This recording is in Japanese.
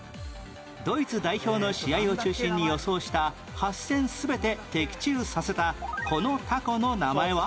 ドイツ代表の試合を中心に予想した８戦全て的中させたこのタコの名前は？